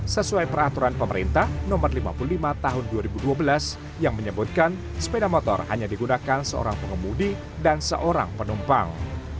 sesuai peraturan pemerintah nomor lima puluh lima tahun dua ribu dua belas yang menyebutkan sepeda motor hanya digunakan seorang pengemudi dan seorang penumpang